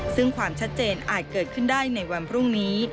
ซึ่งความชัดเจนอาจเกิดขึ้นได้ในวันพรุ่งนี้